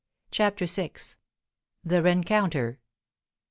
CHAPTER VI. THE RENCOUNTER.